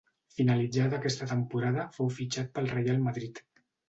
Finalitzada aquesta temporada fou fitxat pel Reial Madrid.